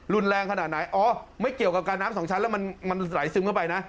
รุนแรงขนาดไหนอ๋อไม่เกี่ยวกับการน้ำสองชั้นแล้วมันไหลซึมเข้าไปนะ